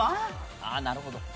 ああなるほど。